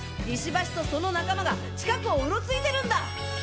石橋とその仲間が近くをうろついてるんだ！